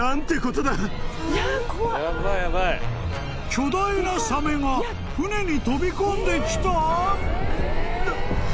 ［巨大なサメが船に飛び込んできた！？］